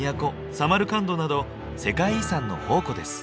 サマルカンドなど世界遺産の宝庫です。